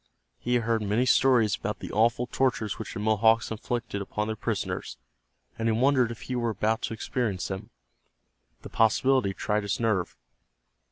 He had heard many stories about the awful tortures which the Mohawks inflicted upon their prisoners, and he wondered if he were about to experience them. The possibility tried his nerve.